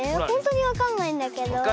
ほんとにわかんないんだけど。